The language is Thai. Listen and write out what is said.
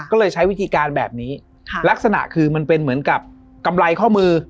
ก็เลยใช้วิธีการแบบนี้ลักษณะคือมันเป็นเหมือนกับกำไรข้อมือ